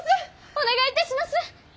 お願いいたします！